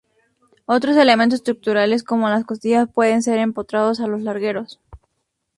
Otros elementos estructurales como las costillas pueden ser empotrados a los largueros.